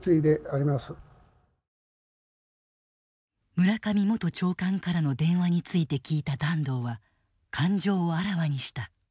村上元長官からの電話について聞いた團藤は感情をあらわにした。